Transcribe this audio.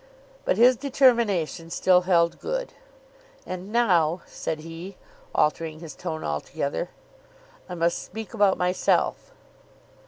But his determination still held good. "And now," said he, altering his tone altogether, "I must speak about myself."